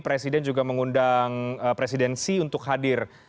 presiden juga mengundang presidensi untuk hadir